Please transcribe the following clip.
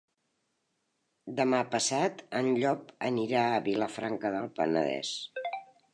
Demà passat en Llop anirà a Vilafranca del Penedès.